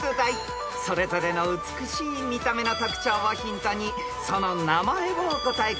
［それぞれの美しい見た目の特徴をヒントにその名前をお答えください］